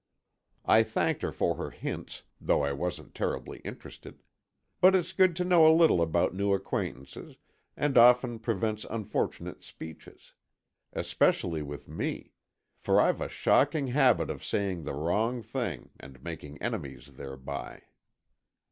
I thanked her for her hints, though I wasn't terribly interested. But it's good to know a little about new acquaintances, and often prevents unfortunate speeches. Especially with me. For I've a shocking habit of saying the wrong thing and making enemies thereby.